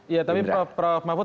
ya tapi prof mahfud